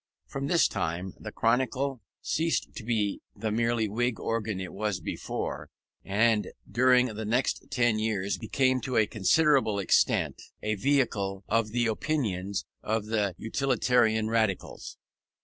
From this time the Chronicle ceased to be the merely Whig organ it was before, and during the next ten years became to a considerable extent a vehicle of the opinions of the Utilitarian Radicals.